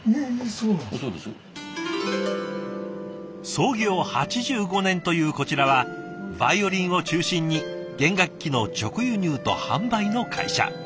創業８５年というこちらはヴァイオリンを中心に弦楽器の直輸入と販売の会社。